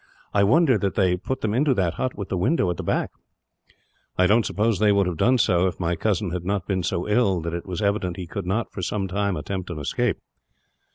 I wonder that they put them into that hut with the window at the back." "I don't suppose they would have done so, if my cousin had not been so ill that it was evident that he could not, for some time, attempt to escape."